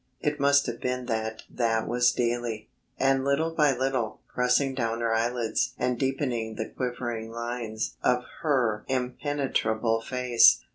It must have been that that was daily, and little by little, pressing down her eyelids and deepening the quivering lines of her impenetrable face.